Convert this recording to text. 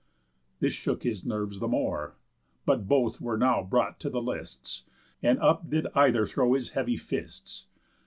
This shook his nerves the more. But both were now Brought to the lists; and up did either throw His heavy fists.